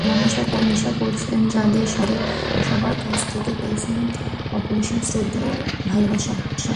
মেলামেশা করেছেন যাঁদের সঙ্গে, তাঁদের সবার কাছ থেকেই পেয়েছেন অপরিসীম শ্রদ্ধা-ভালোবাসা।